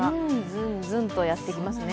ずんずんとやってきますね。